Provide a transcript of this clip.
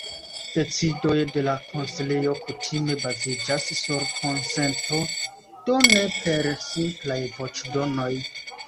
Decidoj de la konsilio kutime baziĝas sur konsento, do ne per simplaj voĉdonoj.